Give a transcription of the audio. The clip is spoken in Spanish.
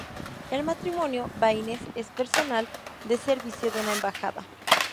El matrimonio Baines es personal de servicio de una embajada.